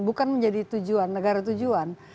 bukan menjadi tujuan negara tujuan